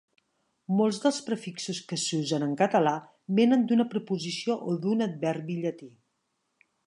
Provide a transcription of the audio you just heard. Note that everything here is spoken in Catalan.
Molts dels prefixos que s'usen en català vénen d'una preposició o d'un adverbi llatí.